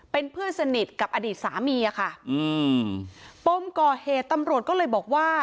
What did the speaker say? เป็นเพื่อนสนิทกับอดีตสามีอะค่ะอืมปมก่อเหตุตำรวจก็เลยบอกว่า